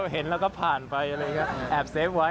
เห็นแล้วก็ผ่านไปแอบเซฟไว้